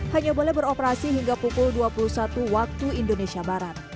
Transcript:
hanya boleh beroperasi hingga pukul dua puluh satu waktu indonesia barat